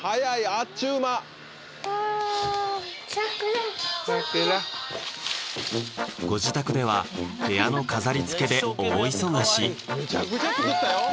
あっちゅう間ご自宅では部屋の飾りつけで大忙しめちゃくちゃ作ったよ！